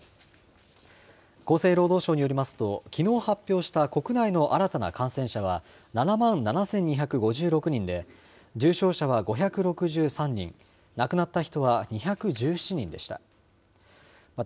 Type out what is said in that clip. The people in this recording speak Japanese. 厚生労働省によりますと、きのう発表した国内の新たな感染者は７万７２５６人で、重症者は５６３人、亡くなった人は２１７人でした。